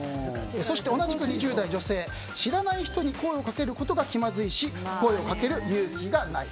そして同じく２０代女性知らない人に声をかけるのが気まずいし声をかける勇気がない。